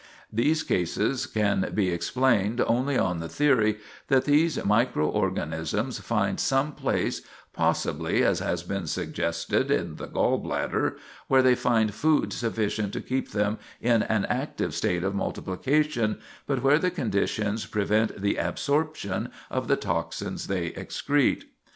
These cases can be explained only on the theory that these microörganisms find some place, possibly, as has been suggested, in the gall bladder, where they find food sufficient to keep them in an active state of multiplication, but where the conditions prevent the absorption of the toxins they excrete.